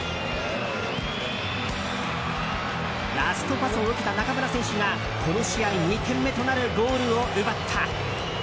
ラストパスを受けた中村選手がこの試合２点目となるゴールを奪った。